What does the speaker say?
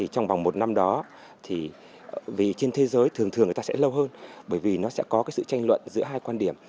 trong vòng một năm đó vì trên thế giới thường thường người ta sẽ lâu hơn bởi vì nó sẽ có sự tranh luận giữa hai quan điểm